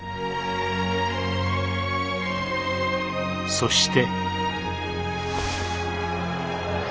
そして。